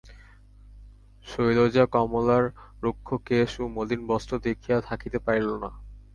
শৈলজা কমলার রুক্ষ কেশ ও মলিন বস্ত্র দেখিয়া থাকিতে পারিল না।